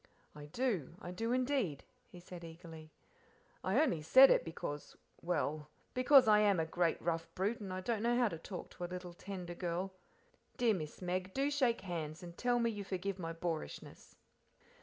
"I do, I do indeed," he said eagerly; "I only said it because well, because I am a great rough brute, and don't know how to talk to a little, tender girl. Dear Miss Meg, do shake hands and tell me you forgive my boorishness."